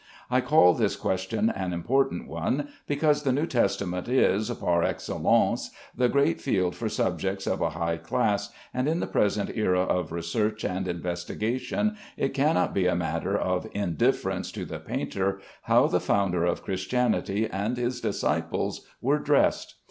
I call this question an important one, because the New Testament is, par excellence, the great field for subjects of a high class, and in the present era of research and investigation, it cannot be a matter of indifference to the painter how the Founder of Christianity and his disciples were dressed.